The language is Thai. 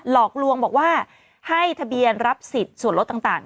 หลอกลวงบอกว่าให้ทะเบียนรับสิทธิ์ส่วนรถต่าง